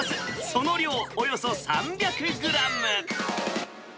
その量およそ３００グラム。